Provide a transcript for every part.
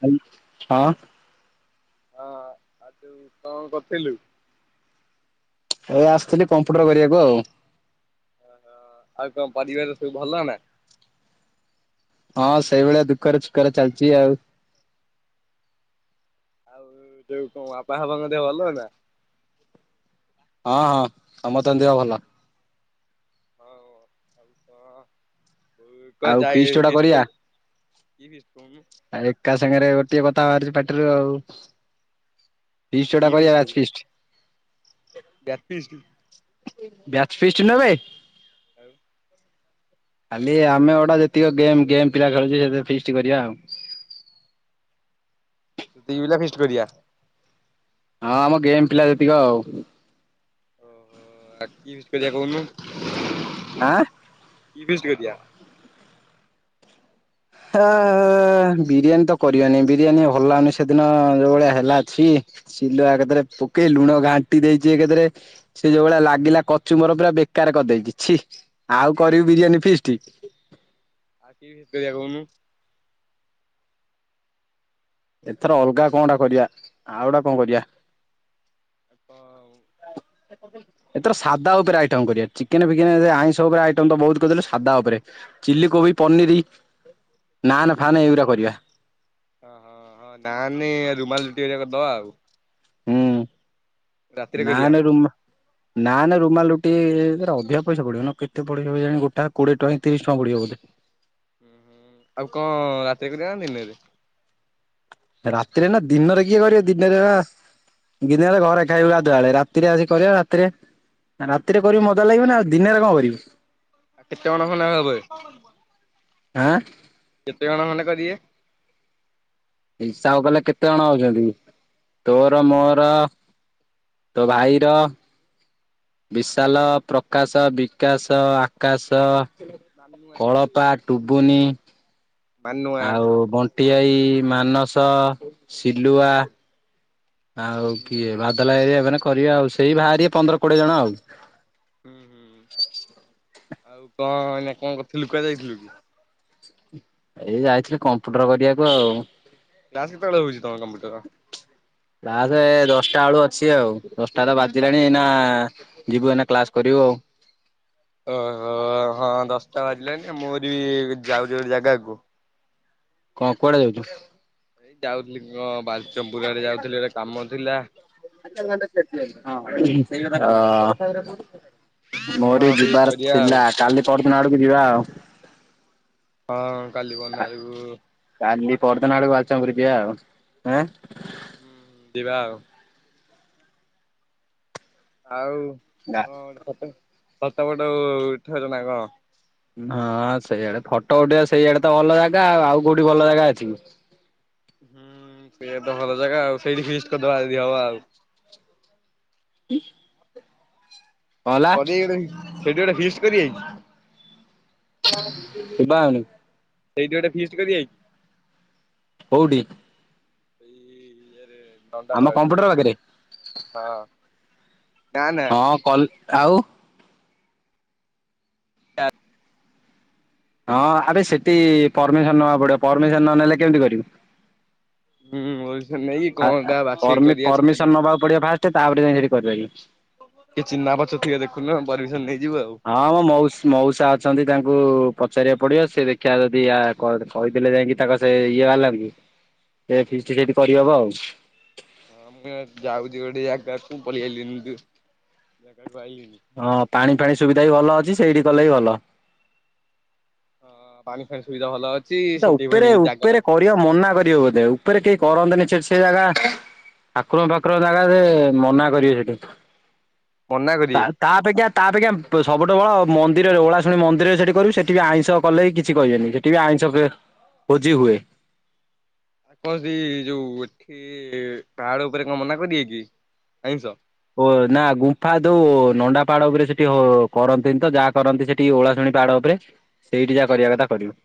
Hall ହଁ। ହଁ। ଆଉ ଯୋଉ କଣ କରୁଥିଲୁ? ଏଇ ଆସଥିଲି କମ୍ପ୍ୟୁଟର୍ କରିବାକୁ ଆଉ। ଆଉ ତମ ପରିବାରରେ ସବୁ ଭଲ ନା? ହଁ। ସେଇ ଭଳିଆ ଦୁଃଖରେ ଛୁକରେ ଚାଲିଛି ଆଉ। ଆଉ ଯୋଉ କଣ ବାପା ଫାପାଙ୍କ ଦେହ ଭଲ ନା? ହଁ ହଁ। ସମସ୍ତଙ୍କ ଦେହ ଭଲ। ହଉ ଆଉ। ଆଉ କଣ? ଆଉ ଫିଷ୍ଟ ଯୋଉଟା [unintelligible] ଆରେ ଏକା ସାଙ୍ଗେରେ ଗୋଟିଏ କଥା ବାହାରୁଛି। ପାଟିରୁ ଆଉ। ଫିଷ୍ଟି କି ଗୋଟେ ଫିଷ୍ଟ କରିବା। Batch feast. Batch feast? Batch feast ନୂହେଁ ବେ। ଆଉ? ଖାଲି ଆମେ ଗୋଗେ ଯେତିକି ଗେମ୍ ଗେମ୍ ପିଲା ଖେଳୁଛେ। ସେତେକ ଫିଷ୍ଟ୍ କରିବା ଆଉ। ସେତିିକି ପିଲା ଫିଷ୍ଟ୍ କରିବା। ହଁ ଆମ ଗେମ୍ ପିଲା ଯେତିକ ଆଉ। ଓହୋଃ। ଆଉ କି ଫିଷ୍ଟ୍ କରିବା କହୁନୁ? ଆଁ? କି ଫିଷ୍ଟ୍ କରିବା? ହଁ ବିରିୟାନୀ ତ କରିବାନି। ବିରିୟାନୀ ଆଉ ଭଲ୍ ଲାଗୁନି। ସେଦିନ ଯୋଉ ଭଳିଆ ହେଲା ଛି। ସିଲୁଆ କତିରେ ପକେଇ, ଲୁଣ ଘାଣ୍ଟି ଦେଇଛି ଏକା ଥରେ। ସେ ଯୋଉ ଭଳିଆ ଲାଗିଲା କଚି ମ୍ବର ପୁରା ବେକାର୍ କରି ଦେଇଛି ଛି। ଆଉ କରିବି ବିରିୟାନୀ ଫିଷ୍ଟି। ଆଉ କି ଫିଷ୍ଟ୍ କରିବା କହୁନୁ? ଏଥର ଅଲଗା କଣ ଟା କରିବା। ଆଉ ଗୋଟେ କଣ କରିବା। ଆଉ କଣ ଆଉ? ଏଥର ସାଧା ଉପରେ ଆଇଟମ୍ କରିବା। ଚିକେନ୍ ଫିକେନ୍ ରେ ଆଇଁଷ ଉପରେ ଆଇଟମ୍ ତ ବୋହୁତ୍ କରି ଦେଲେ। ସାଧା ଉପରେ ଚିଲି କୋବି, ପନିର୍, ନାନ୍ ହୁଁ ଫାନ୍ ଏଇଗୁରା କରିବା। ହଁ ହଁ ହଁ। ନାନ୍ ନେ, ରୁମାଲ୍ ରୁଟି ହାରିକା କରିଦବା ଆଉ। ହୁଁ। ରାତିରେ କରିବା। ନାନେ ରୁମାଲ୍ ନାନେ ରୁମାଲ୍ ରୁଟି ହେରା ଅଧିକ ପଇସା ପଡ଼ିବ। ନା କେତେ ପଡିବ କେଜାଣି। ଗୋଟା କୋଡ଼ିଏ ଟଙ୍କା କି ତିରିଶ ଟଙ୍କା ପଡ଼ିବ ବୋଧେ? ହୁଁ ହୁଁ। ଆଉ କଣ ରାତିରେ କରିବା ନା ଦିନେରେ? ରାତିରେ ନା। ଦିନରେ କିଏ କରିବ। ଦିନେରେ ହେରା ଆସ୍ ଦିନେରେ ଘରେ ଖାଇବୁ ଗାଧୁଆବେଳେ। ରାତିରେ ଆସିକି କରିବା। ରାତିରେ ରାତିରେ କରିବୁ ମଜା ଲାଗିବ ନା। ଆଉ ଦିନେରେ କଣ କରିବୁ? ଆଉ କେତେ ଜଣ ଖଣ୍ଡେ ଆଉ ହେବେ? ଆଁ। କେତେଜଣ ଖଣ୍ଡେ କରିବେ। ହିସାବ କଲେ କେତେଜଣ ହଉଛନ୍ତି ତୋର ମୋର। ତୋ ଭାଇର। ବିଶାଲ, ପ୍ରକାଶ, ବିକାଶ, ଆକାଶ। ମାନୁଆ କଳପା, ଟୁବୁନି। ମାନୁଆ ଆଉ ବଣ୍ଟିଭାଇ, ମାନସ। ସିଲୁଆ ହୁଁ ଆଉ କିଏ ବାଦଲ ଭାଈ ହେରିକା ହେବେ ନା କ କରିବା ଆଉ ସେଇ ବାହାରିବେ ପନ୍ଦର କୋଡିଏ ଜଣ ଆଉ। ହୁଁ ହୁଁ, ଆଉ କଣ ଏଇନା କଣ କରୁଥିଲୁ କୁଆଡେ ଯାଇଥିଲୁକି? ଏ ଯାଇଥିଲି କମ୍ପୁଟର କରିବାକୁ ଆଉ। କ୍ଲାସ୍ କେତେଳେ ହଉଛି ତମ କମ୍ପ୍ୟୁଟର? କ୍ଲାସ ଦଶଟା ବେଳୁଅଛି ଆଉ ଦଶଟା ତ ବାଜିଲାଣି ଏଇନା। ଯିବୁ ଏଇନା କ୍ଲାସ କରିବୁ ଆଉ। ଓ ହୋ ହଁ ଦଶଟା ବାଜିଲାଣିି ମୋରି ଯାଉଛି ଗୋଟେ ଜାଗାକୁ। କଣ କୁଆଡେ ଯାଉଛୁ। ଯାଉଥିଲି ଅ ବାଲଚମ୍ପୁର ଆଡ଼େ ଯାଉଥିଲି ଗୋଟେ କାମ ଥିଲା। ହଁ। ମୋରି ହଁ ଫିଷ୍ଟ୍ ଯିବାର କରିବା ଆଉ। ଥିଲା କାଲି ପରଦିନ ଆଡକୁ ଯିବା ଆଉ। ହଁ କାଲି ପରଦିନ ଆଡ଼କୁ। କାଲି ପରଦିନ ଆଡକୁ ବଲଚନ୍ଦ୍ରପୂର୍ ଯିବା ଆଉ। ହୁଁ ହୁଁ ଯିବା ଆଉ। ଆଉ ଆଁ କଣ ଗୋଟେ ଫଟ ଫୋଟ ଫଟ ଉଠଉଛ ନା କଣ? ଅଁ ସେଇଆଡେ ଫଟୋ ଉଠେଇିବା ସେଇଆଡେ ତ ଭଲ ଜାଗା ଆଉ ଆଉ କୋଉଠି ଭଲ ଜାଗା ଅଛି କି। ଉଁ ସେୟା ତ ଭଲ ଜାଗା ଆଉ ସେଇଠି ଫିଷ୍ଟ୍ କରିଦବା ଯଦି ହବ ଆଉ। ଉଁ। ପଦୀଗଡେ ହୈ ସେଠି ଗୋଟେ ଫିଷ୍ଟ୍ କରିଆ କି? ସୁବାଉନି। ସେଇଠି ଗୋଟେ ଫୀଷ୍ଟ୍ କରିବା କି? କୋଉଠି? ସେଇ ଇଏରେ ନଣ୍ଡା ଆମ ପାହାଡରେ କମ୍ପ୍ୟୁଟର ପାଖରେ ହଁ। ନା ନା ହଁ କଲ୍ ଆଉ। ହଁ ଆବେ ସେଠି ପରମିସନ୍ ନବା ପଡିବ ପରମିସନ୍ ନ ନେଲେ କେମିତି କରିବୁ। ହୁଁ ପର୍ମିସନ୍ ନେଇକି କଣଟା ବାଛିକୁ କରିବା ଚିକେନ। ପଡ଼ିଆ ଫାଷ୍ଟରେ ତାପରେ ଯାଇ ସେଠି କରିବା ଫିଷ୍ଟ। କିଏ ଚିହ୍ନା ପରିଚୟ ଥିବେ ଦେଖୁନୁ ପରମିସନ ନେଇଯିବୁ ଆଉ। ହଁ ମୋ ମଉସ୍ ମଉସା ଅଛନ୍ତି ତାଙ୍କୁ ପଚାରିବାକୁ ପଡିବ ସେ ଦେଖିବା ଯଦି ୟା କ କହିଦେଲେ ଯାଇକି ତାଙ୍କ ସେ ଇଏ ବାଲାଙ୍କୁ ସେ ଫିଷ୍ଟ୍ ସେଠି କରିହବ ଆଉ। ହଁ ମୁଁ ଯାଉଛି ଗୋଟେ ଜାଗାକୁ ପଳେଇଆଇଲିଣି ଜାଗାକୁ ଆଇଲିଣି। ହଁ ପାଣି ଫାଣି ସୁବିଧା ବି ଭଲ ଅଛି ସେଇଠି କଲେ ବି ଭଲ। ହଁ ପାଣି ଫାଣି ସୁବିଧା ଭଲ ଅଛି ସେଠି ଫୁଣି ଜାଗା ଟା ଦିଅ ମନା କରିବ ବୋଧେ ଉପରେ କେହି କରନ୍ତିନି ଯେ ସେ ଜାଗା ଠାକୁର ଭାକୁର ଜାଗା ଯେ ମନା କରିବେ ସେଠି। ମନା କରିିବେ। ତାପେକ୍ଷା ତା ଅପେକ୍ଷା ସବୁଠୁ ବଡ ମନ୍ଦିରରେ ଓଳା ଶୁଣି ମନ୍ଦିରରେ ସେଠି କରିବୁ ସେଠି ବି ଆଇଁଷ। କଲେ ବି କିଛି କହିବେନି ସେଠି ବି ଆଇଁଷ ଏ ଭୋଜି ହୁଏ। କଣ କି ଯୋଉ ଏଠି ପାହାଡ଼ ଉପରେ କଣ ମନା କରିିଏ କି ଆଇଁଷ। ଓ ନା ଗୁମ୍ଫା ଦଉ ନଣ୍ଡା ପାହାଡ ଉପରେ ସେଠି ହୋ କରନ୍ତିନି ତ ଯାହା କରନ୍ତି ସେ ଟି ଓଳା ଶୁଣି ପାହାଡ ଉପରେ ସେଇଠି ଯାହା କରିବା କଥା କରିବ।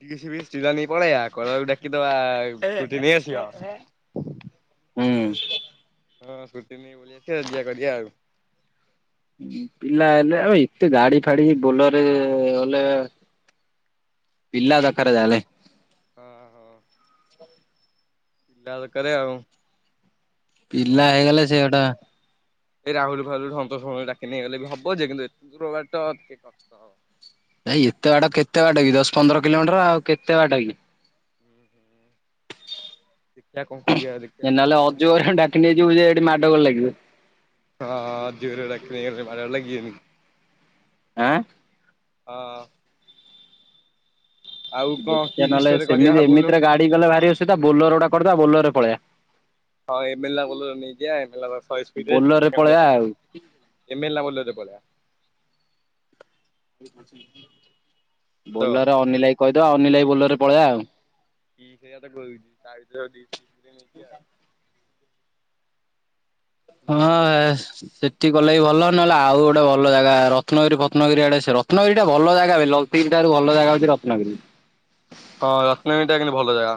ଡିସ୍ ବିସ୍ ଚିରା ନେଇ ପଳେଇବା କଲାଉ ଡାକିଦେଆ ଆଉ ଏ ତୁ ଥିନେ ନେଇଆସିବ। ହୁଁ। ହଁ ସ୍କୁଟି ନେଇ ବୁଲି ଆସିବା ଏଞ୍ଜୟ୍ କରିବା ଆଉ। ପିଲା ହେଲେ ଆଉ ଏତେ ଗାଡି ଫାଡି ବୋଲର ରେ ଗଲେ ପିଲା ଦରକାର ଯାହେଲେ। ହଁ ହଁ। ପିଲା ଦରକାର ଆଉ ପିଲା ହେଇଗଲେ ସେ ଗୋଟେ ଏ ରାହୁଲ ଫାହୁଲ ସନ୍ତୋଷ ଫନ୍ତୋଷ ଡାକି ନେଇଗଲେ ବି ହବ ଯେ, କିନ୍ତୁ ଏତେ ଦୂର ବାଟ ଟିକେ କଷ୍ଟ ହେବ। ଭାଇ ଏତେ ବାଟ କେତେ ବାଟ କି ଦଶ ପନ୍ଦର କିଲୋମିଟର ଆଉ କେତେ ବାଟ କି? ଦେଖିବା କଣ କରିବା ଦେ ଏ ନହେଲେ ଅଜୁ ହେରିକା ଙ୍କୁ ଡାକି ନେଇଯିବୁ ଯେ ଏଠି ମାଡ଼ ଗୋଳ ଲାଗିବେ। ହଁ ଜୋରେ ଲାଗିଲେ ମାଡ ଗୋଳ ଲଗିବେନି। ଆଁ। ହଁ। ଆଉ କଣ କି ଦେଖିବା ନହେଲେ ହିଷ୍ଟରେ କରିବା ସେମିତି ଭାବୁନୁ ଏମିତିରେ ଗାଡି ଗଲେ ଭାରି ଅସୁବିଧା ବୋଲୋର ଗୋଟେ କରିଦବା ବୋଲୋରରେ ପଳେଇବା। ହଁ ଏ ମେଲା ଗ ନେଇଯ ଏ ମେହ ସ୍ପି ସେ ବୋଲରରେ [unintelligible] ପଳେଇବା ଆଉ ଏମଏଲ ବଲୁ ବୋ [unintelligible] ହାଲୋ ବୋଲରରେ ଅନିଲ ଭାଇ କୁ କହିଦବା, ଅନିଲ ଭାଇ ବୋଲରର ରେ ପଳେଇବା ଆଉ। କି ସେଇଟା କରିବ ତା ଭିତରେ ବୋଲି ନେଇେକି ଆଉ,। [unintelligible] ହୁଁ ହଁ। ଗଲେ ବି ଭଲ ନହେଲେ ଆଉ ଗୋଟେ ଭଲ ଜାଗା ରତ୍ନଗିରି ଫତ୍ନଗିରି ଆଡେ ସେ ରତ୍ନଗିରିଟା ଭଲ ଜାଗାବେ। ତିନଟା ରୁ ଭଲ ଜାଗା ଅଛି ରତ୍ନଗିରି। ହଁ ରତ୍ନଗିରି ଟା ଖାଲି ଭଲ ଜାଗା।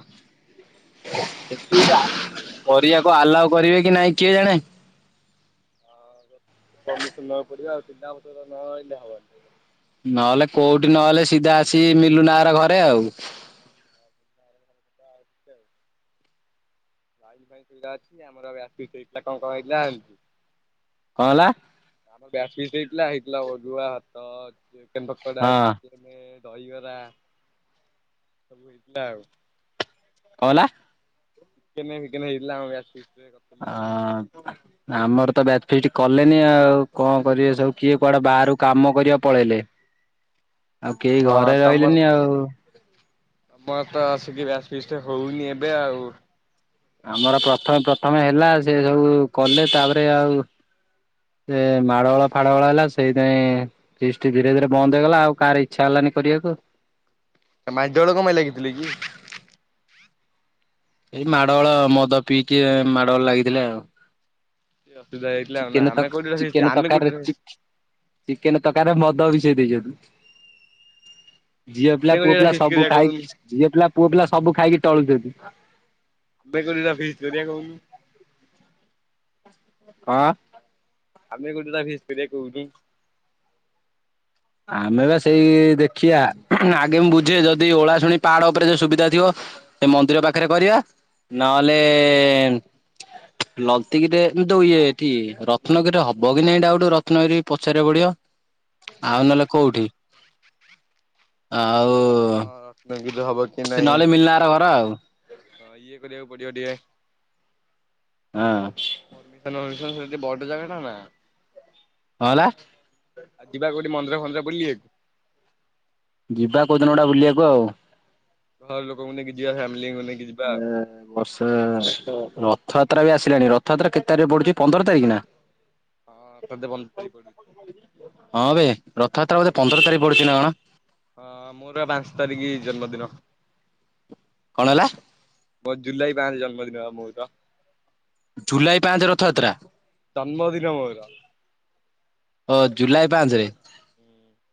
କରିବାକୁ ଆଲାଓ କରିବେ କି ନାଇଁ କିଏ ଜାଣେ। ହଁ ପ୍ରମିଶନ ନବାକୁ ପଡ଼ିବ ଆଉ ତିନିଟା ବୋତଲ ନଆଣିଲେ ହେବନି। ନହେଲେ କୋଉଠି ନହେଲେ ସିଧା ଆସି ମିଲୁନାର ଘରେ ଆଉ। ଆ [inaudible] ଆମର ବ୍ୟାଚ ଫିଷ୍ଟ ହେଇଥିଲା କଣ କଣ ହେଇଥିଲା ଆଉ କଣ ହେଲା। ଆମ ବ୍ୟାଚ ଫିଷ୍ଟ ହେଇଥିଲା ହେଇଥିଲା ଅରୁଆ ଭାତ ଚିକେନ ପକଡା। ହଁ ଦହିବରା ସବୁ ହେଇଥିଲା ଆଉ। କଣ ହେଲା? ଚିକେନ ଫିକେନ ହେଇଥିଲା ଆମ ବ୍ୟାଚ ଫିଷ୍ଟରେ। କରିଥିଲୁ ଆଉ। ଆଁ। ଆମର ତ ବ୍ୟାଚ ଫିଷ୍ଟ କଲେନି ଆଉ କଣ କରିବେ ସବୁ କିଏ କୁଆଡେ ବାହାର କୁ କାମ କରିବା କୁ ପଳେଇଲେ। ଆଉ କେହି ଘରେ ରହିଲେନି ଆଉ। ଆମର ତ ଆସିକି ବ୍ୟାଚ ଫିଷ୍ଟ ହଉନି ଏବେ ଆଉ। ଆମର ପ୍ରଥମେ ପ୍ରଥମେ ହେଲା ସେ ସବୁ କଲେ ତାପରେ ଆଉ ସେ ମାଡ଼ ଗୋଳ ଫାଡ ଗୋଳ ହେଲା ସେଇଥି ପାଇଁ ଫିଷ୍ଟ ଧୀରେ ଧୀରେ ବନ୍ଦ ହେଇଗଲା ଆଉ କାହାର ଇଚ୍ଛା ହେଲାନି କରିବାକୁ। ମାଡ ଗୋଳ କଣ ପାଇଁ ଲାଗିଥିଲେ କି? ଏଇ ମାଡ଼ ଗୋଳ ମଦ ପିଇକି ମାଡ଼ଗୋଳ ଲାଗିଥିଲେ ଆଉ। କିଛି ଅସୁବିଧା ହେଇଥିଲା ଆଉ ନା ଚିକେନ ଆମେ ତକ କୋଉଠି ଗୋଟେ ଫିଷ୍ଟ ଚିକେନ ଆମେ କୋଉଠି ତରକାରୀ ରେ ଗୋଟେ ଚିକ୍ ଚିକେନ ତକାରୀରେ ମଦ ମିଶେଇ ଦେଇଛନ୍ତି। ଝିଅ ପିଲା ଆମେ କୋଉଠି ପୁଅ ଗୋଟେ ପିଲା ଫିଷ୍ଟ ସବୁ କରିବା କହୁନୁ ଖାଇକି, ଝିଅ ପିଲା ପୁଅ ପିଲା ସବୁ ଖାଇକି ଟଳୁଛନ୍ତି। ଆମେ କରିବା ଫିଷ୍ଟି କରିବା କହୁନୁ। ହଁ। ଆମେ ଗୋଟେ ଦିନ ଫିଷ୍ଟି କରିବା କଉଠି। ଆମେ ବା ସେଇ ଦେଖିବା, ଆଗେ ମୁଁ ବୁଝେ ଯଦି ଓଳା ଶୁଣି ପାହାଡ ଉପରେ ଯଦି ସୁବିଧା ଥିବ। ସେ ମନ୍ଦିର ପାଖରେ କରିବା। ନହେଲେ ନତିକିରେ କିନ୍ତୁ ଇଏ ଏଠି ରତ୍ନଗିରି ରେ ହବ କି ନାଇଁ ଡାଉନ୍ ରତ୍ନଗିରି କି ପଚାରିବାକୁ ପଡିବ। ଆଉ ନହେଲେ କୋଉଠି? ଆଉ ହଁ। ରତ୍ନଗିରି ରେ ହବ କି? ସେ ନହେଲେ ମିଲ୍ଲା ର ଘର ଆଉ ହଁ। ଇଏ କରିବାକୁ ପଡିବ ଟିକେ। ହଁ। ପରୀମିସନ୍ ମିଳୁଛି ମାନେ ସେଟା ଟିକେ ବଡ଼ ଜାଗା ଟା ନା? କଣ ହେଲା? ଆଉ ଯିବା କୋଉଠି ମନ୍ଦିର ଫନ୍ଦିର ବୁଲିବାକୁ? ଯିବା କୋଉ ଦିନ ଗୋଟେ ବୁଲିବାକୁ ଆଉ। ଘର ଲୋକଙ୍କୁ ନେଇକି ଯିବା। ଫ୍ୟାମିଲିଙ୍କୁ ନେଇକି ଯିବା ଏ ଆଉ। ବର୍ଷା ତ। ରଥ ଯାତ୍ରା ବି ଆସିଲାଣି। ରଥଯାତ୍ରା କେତେ ତାରିଖ ପଡୁଛି? ପନ୍ଦର ତାରିଖ ନା? ହଁ। ବୋଧେ ପନ୍ଦର୍ ତାରିଖ ପଡୁଛି। ହଁ ବେ। ରଥ ଯାତ୍ରା ବୋଧେ ପନ୍ଦର ତାରିଖ ପଡୁଛି ନା କଣ? ହଁ। ମୋର ପାଞ୍ଚ ତାରିଖ୍ ଜନ୍ମ ଦିନ। କଣ ହେଲା? ମୋର୍ ଜୁଲାଇ ବାରରେ ଜନ୍ମଦିନ ପା ମୋର। ଜୁଲାଇ ପଞ୍ଚେ ରଥ ଯାତ୍ରା? ଜନ୍ମଦିନ ମୋର ହଁ। ଜୁଲାଇ ପାଞ୍ଚେ ରେ? [inaudible]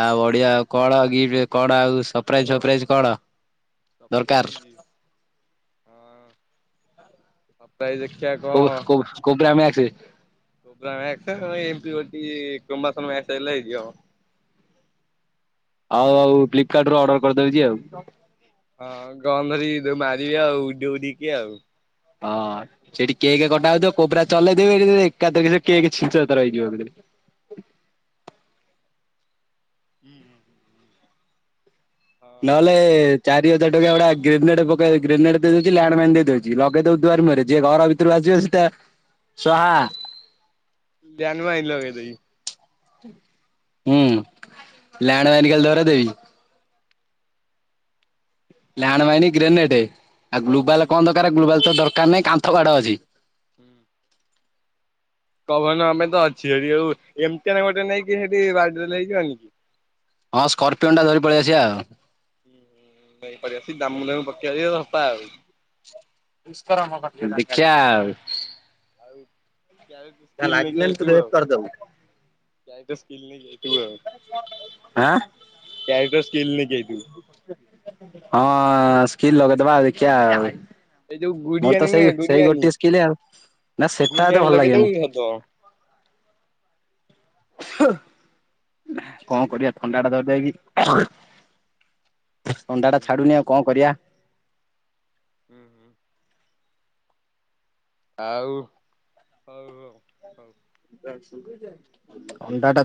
ଆଉ ବଢ଼ିଆ। ଆଉ କଣ ଗିଫ୍ଟରେ କଣ ଆଉ ସପ୍ରାଇଜି ଫପ୍ରାଇଜି କଣ? ଦରକାର? ସପ୍ରାଇଜି? ହଁ। ସପ୍ରାଇଜି ଦେଖିଆ କୋଉ କଣ? କୋଉ କୋବ୍ରା ମ୍ୟାକ୍ସ [unintelligible] ହଉ ଆଉ। ଫ୍ଲିପକାର୍ଟ ରୁ ଅର୍ଡର୍ କରି ଦୋଉଛି ଆଉ। ହଁ। ଆଉ ଗନ୍ ଧରିକି ଯୋଉ ମାରିବେ ଆଉ ଉଡ଼ି ଉଡ଼ିକି ଆଉ। ହଁ। ସେଇଠି କେକ୍ କଟା ହୋଉଥିବ। କୋବ୍ରା ଚଲେଇ ଦେବି ହେଇଠିକିରି ଯେ ଏକା ଥରକେ ସେ କେକ୍ ଛିନ୍ ଛତର ହେଇଯିବ ଏକା ଥରେ। ହୁଁ ହୁଁ ହୁଁ। ନହେଲେ ଚାରି ହଜାର ଟଙ୍କା ଗୁଡା ଗ୍ରାନାଇଟ ପକେଇ ଗ୍ରାନାଇଟ [unintelligible] ଯେ ଘର ଭିତରୁ ଆସିବ ସି ଟା ସ୍ୱାହା। [unintelligible] [unintelligible] Land mine grenade. ଆଉ ଗ୍ଲୋବାଲ୍ କଣ ଦରକାର? ଗ୍ଲୋବାଲ୍ ତ ଦରକାର ନାହିଁ। କାନ୍ଥ ବାଡ଼ ଅଛି। ହୁଁ। [unintelligible] ଆମେ ତ ଅଛେ [unintelligible] ଏମ୍ତିଆ ନାଇଁ ମ ମତେ ନେଇକି ସେଠି [unintelligible] ହଁ। ସ୍କର୍ପିଓନ୍ଟା ଧରି ପଳେଇ ଆସିିବା। [unintelligible] ଦେଖିଆ ଆଉ। [unintelligible] [unintelligible] ଟାଇଗର୍ ସ୍କିଲ୍ ନେଇକି ଆଇଥିବୁ। ହଁ। ସ୍କିଲ୍ ଲଗେଇ ଦବା। ଦେଖିଆ ଆଉ। ଏଇ ଯୋଉ ମୋର୍ ତ ଗୁଡିଆନି ସେଇ ନୁହେଁ ସେଇ ଗୁଡିଆନି ଗୋଟିଏ ସ୍କିଲ୍ ଆଉ। ନା ସେଟା ଏତେ ଗୁଡିଆନି ଭଲ୍ ଲାଗିବନି। [unintelligible] କଣ କରିବା ଥଣ୍ଡା ଟା ଧରି ଦେଇଚି? ଥଣ୍ଡାଟା ଛାଡୁନି। ଆଉ କଣ କରିବା? ହୁଁ ହୁଁ। ଆଉ। ହଉ। ଅଣ୍ଡାଟା